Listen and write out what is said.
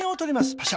パシャ。